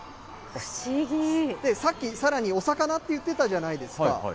さっき、さらに、お魚って言ってたじゃないですか。